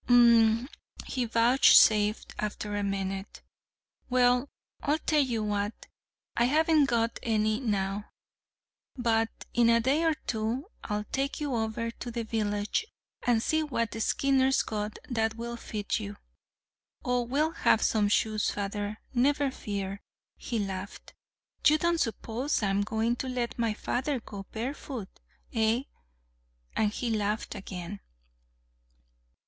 "Hm m," he vouchsafed after a minute. "Well, I'll tell you what I haven't got any now, but in a day or two I'll take you over to the village and see what Skinner's got that will fit you. Oh, we'll have some shoes, father, never fear!" he laughed. "You don't suppose I'm going to let my father go barefoot! eh?" And he laughed again.